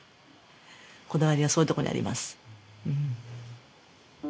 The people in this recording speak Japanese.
こだわりがそういうとこにあります。